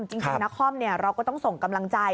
จริงนครเราก็ต้องส่งกำลังใจ